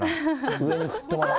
上に振ってもらって。